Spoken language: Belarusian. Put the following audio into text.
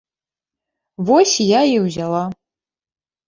Вось я і ўзяла.